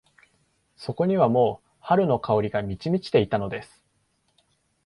そこにはもう春の香りが満ち満ちていたのです。